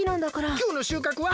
きょうのしゅうかくは？